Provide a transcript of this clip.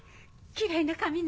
きれいな髪ね。